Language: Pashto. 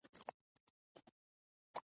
موزیک د زړه آواز دی.